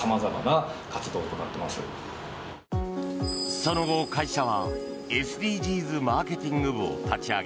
その後、会社はＳＤＧｓマーケティング部を立ち上げ